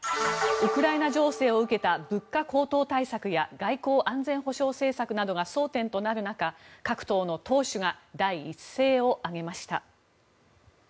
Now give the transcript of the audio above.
ウクライナ情勢を受けた物価高騰対策や外交・安全保障政策などが争点となる中各党の党首が第一声を上げました。